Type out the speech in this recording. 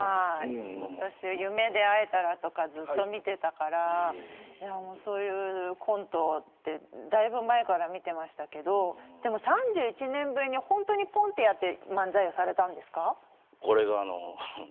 私、夢で逢えたらとかずっと見ていたからそういうコントってだいぶ前から見ていましたけどでも３１年ぶりに本当にコント、漫才されたんですか。